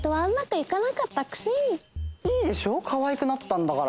いいでしょかわいくなったんだから！